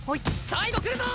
サイド来るぞ！